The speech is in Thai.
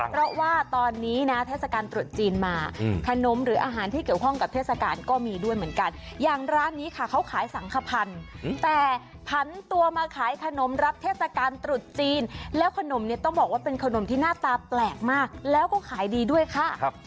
เพราะว่าตอนนี้นะเทศกาลตรุษจีนมาขนมหรืออาหารที่เกี่ยวข้องกับเทศกาลก็มีด้วยเหมือนกันอย่างร้านนี้ค่ะเขาขายสังขพันธ์แต่ผันตัวมาขายขนมรับเทศกาลตรุษจีนแล้วขนมเนี่ยต้องบอกว่าเป็นขนมที่หน้าตาแปลกมากแล้วก็ขายดีด้วยค่ะ